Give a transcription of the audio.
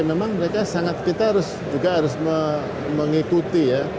memang mereka sangat kita juga harus mengikuti ya